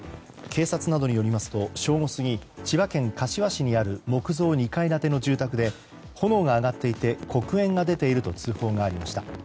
警察などによりますと正午過ぎ千葉県柏市にある木造２階建ての住宅で炎が上がっていて黒煙が出ていると通報がありました。